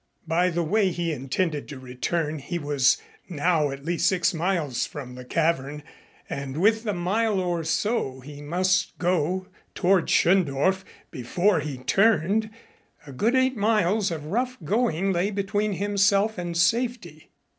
By the way he intended to return he was now at least six miles from the cavern and with the mile or so he must go toward Schöndorf before he turned, a good eight miles of rough going lay between himself and safety.